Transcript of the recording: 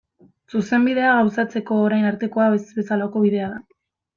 Zuzenbidea gauzatzeko orain artekoa ez bezalako bidea da.